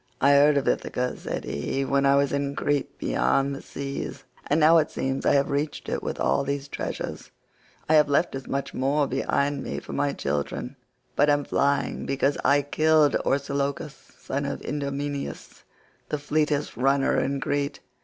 "I heard of Ithaca," said he, "when I was in Crete beyond the seas, and now it seems I have reached it with all these treasures. I have left as much more behind me for my children, but am flying because I killed Orsilochus son of Idomeneus, the fleetest runner in Crete.